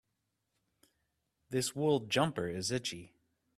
This wool jumper is itchy.